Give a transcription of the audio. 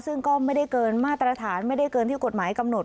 ซึ่งก็ไม่ได้เกินมาตรฐานไม่ได้เกินที่กฎหมายกำหนด